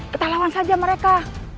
kita lawan saja mereka